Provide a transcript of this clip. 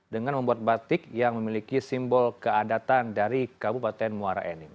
dengan membuat batik yang memiliki simbol keadatan dari kabupaten muara enim